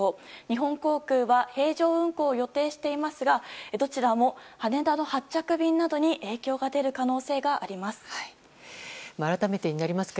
日本航空は平常運航を予定していますがどちらも羽田の発着便などに影響が出る可能性があります。